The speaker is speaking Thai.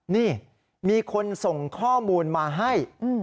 นี่มีคนส่งข้อมูลมาให้